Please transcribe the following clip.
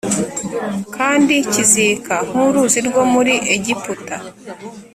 kandi kizika nk’uruzi rwo muri Egiputa.